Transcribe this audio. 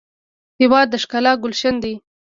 هېواد د ښکلا ګلشن دی.